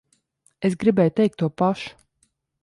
Es gribēju teikt to pašu.